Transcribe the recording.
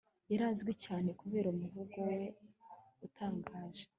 yari azwi cyane kubera umuvugo we utangaje